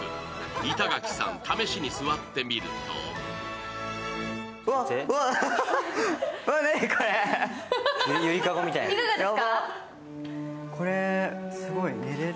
板垣さん、試しに座ってみるとまだいけます。